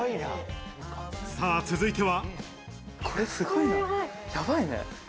さぁ、続いては。